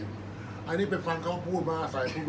อันไหนที่มันไม่จริงแล้วอาจารย์อยากพูด